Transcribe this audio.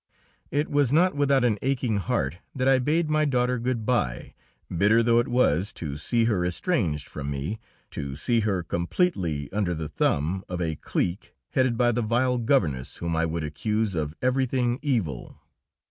It was not without an aching heart that I bade my daughter good by, bitter though it was to see her estranged from me, to see her completely under the thumb of a clique headed by the vile governess whom I would accuse of everything evil.